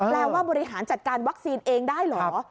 ว่าบริหารจัดการวัคซีนเองได้เหรอ